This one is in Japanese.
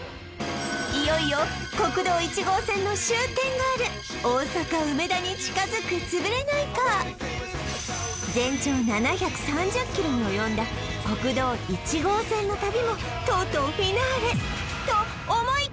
いよいよ国道１号線の終点がある大阪梅田に近づくつぶれないカー全長７３０ｋｍにおよんだ国道１号線の旅もとうとうフィナーレ